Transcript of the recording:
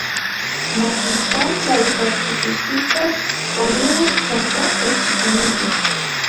Maski ijkon, tla ijkuak tikixtijtos poliuis san se eschipinili...